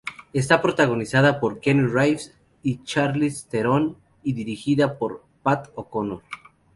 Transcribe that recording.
Está protagonizada por Keanu Reeves y Charlize Theron, y dirigida por Pat O'Connor.